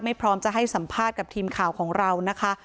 พร้อมจะให้สัมภาษณ์กับทีมข่าวของเรานะคะ